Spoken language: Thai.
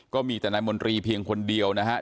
ก็มีแต่นายมนตรีเพียงคนเดียวนะครับ